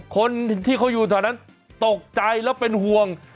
คนที่เขาอยู่แถวนั้นตกใจแล้วเป็นห่วง